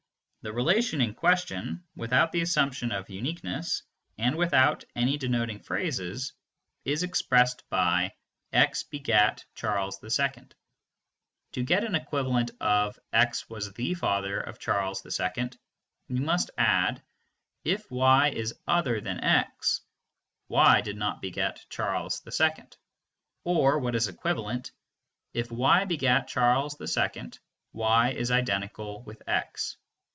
The relation in question, without the assumption of uniqueness, and without any denoting phrases, is expressed by "x begat Charles II." To get an equivalent of "x was the father of Charles II," we must add "If y is other than x, y did not beget Charles II," or, what is equivalent, "If y begat Charles II, y is identical with x."